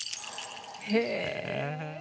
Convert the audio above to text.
へえ。